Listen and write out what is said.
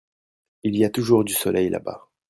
Il y a toujours du soleil là-bas.